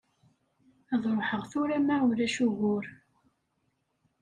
Ad ṛuḥeɣ tura ma ulac ugur.